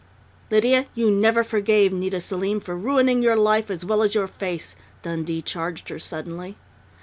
"Lydia, you never forgave Nita Selim for ruining your life as well as your face!" Dundee charged her suddenly.